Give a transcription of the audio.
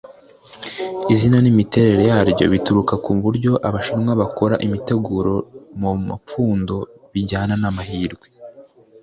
Izina n’imiterere yaryo bituruka ku buryo Abashinwa bakora imiteguro mu mapfundo bijyana n’amahirwe